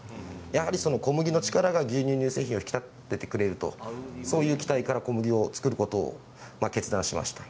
やはり小麦の力が乳製品を引き立ててくれるという期待から小麦を作ることを決断しました。